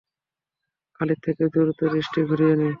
খালিদ থেকে দ্রুত দৃষ্টি ঘুরিয়ে নেয়।